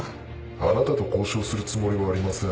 あなたと交渉するつもりはありません。